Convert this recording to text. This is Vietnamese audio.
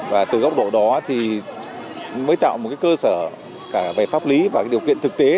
và từ góc độ đó thì mới tạo một cơ sở cả về pháp lý và điều kiện thực tế